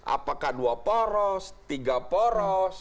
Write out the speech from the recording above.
apakah dua poros tiga poros